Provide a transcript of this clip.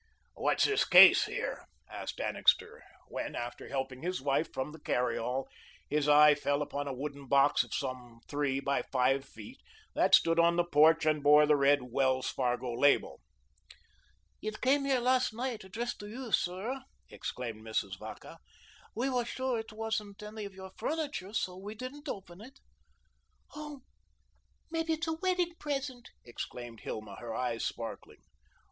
"What's this case here?" asked Annixter, when, after helping his wife from the carry all, his eye fell upon a wooden box of some three by five feet that stood on the porch and bore the red Wells Fargo label. "It came here last night, addressed to you, sir," exclaimed Mrs. Vacca. "We were sure it wasn't any of your furniture, so we didn't open it." "Oh, maybe it's a wedding present," exclaimed Hilma, her eyes sparkling.